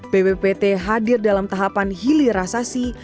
bppt hadir dalam tahapan hili rasasi